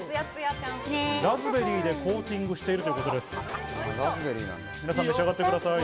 ラズベリーでコーティングしているということです。